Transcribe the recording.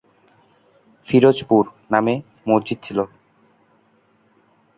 ফিরোজপুর নামে মসজিদ ছিল।